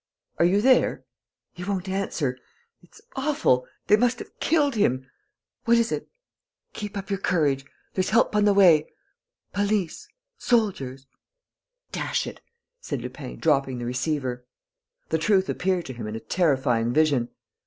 "Are you there?... He won't answer. It's awful.... They must have killed him. What is it?... Keep up your courage. There's help on the way ... police ... soldiers...." "Dash it!" said Lupin, dropping the receiver. The truth appeared to him in a terrifying vision.